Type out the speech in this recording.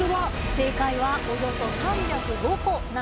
正解はおよそ３０５個なんです。